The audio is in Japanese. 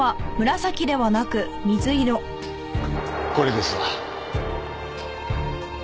これですわ。